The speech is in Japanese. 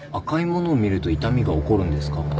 赤いものを見ると痛みが起こるんですか？